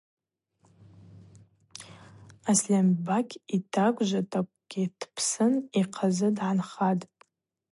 Асльамбакь йтагвжватӏакӏвгьи дпсын, йхъазы дгӏанхатӏ.